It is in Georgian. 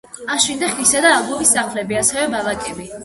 აშენდა ხისა და აგურის სახლები, ასევე ბარაკები.